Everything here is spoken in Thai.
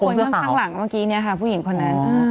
คนข้างหลังเมื่อกี้เนี่ยค่ะผู้หญิงคนนั้น